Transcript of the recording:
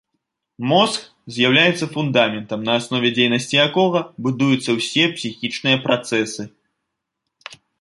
Мозг з'яўляецца фундаментам, на аснове дзейнасці якога будуюцца ўсе псіхічныя працэсы.